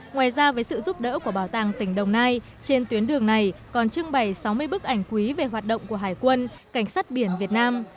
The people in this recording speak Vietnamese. ngoài ra với sự giúp đỡ của bảo tàng tỉnh đồng nai trên tuyến đường này còn trưng bày sáu mươi bức ảnh quý về hoạt động của hải quân cảnh sát biển việt nam